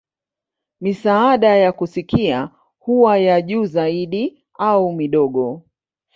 Misaada ya kusikia huwa ya juu zaidi au midogo.